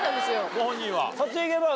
ご本人は。